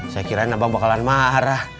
saya kirain abang bakalan marah